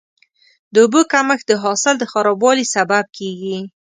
د اوبو کمښت د حاصل د خرابوالي سبب کېږي.